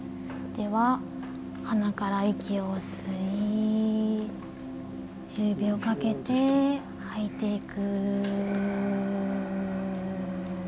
鼻から息を吸い１０秒かけて吐いていく。